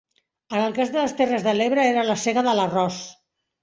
En el cas de les terres de l'Ebre era la sega de l'arròs.